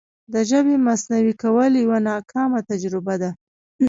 د ژبې مصنوعي کول یوه ناکامه تجربه ده.